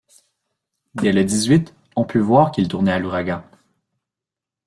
Dès le dix-huit, on put voir qu’il tournait à l’ouragan.